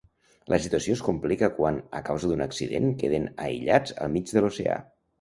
La situació es complica quan, a causa d'un accident queden aïllats al mig de l'oceà.